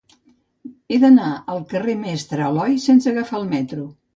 He d'anar al carrer del Mestre Aloi sense agafar el metro.